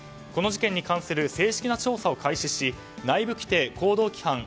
この事件に関する正式な調査を開始し、内部規定、行動規範